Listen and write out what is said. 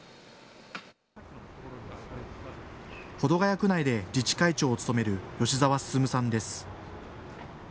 保土ケ谷区内で自治会長を務める吉澤進さんです。